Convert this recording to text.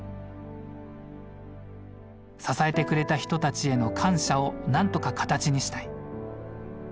支えてくれた人たちへの感謝を何とか形にしたい。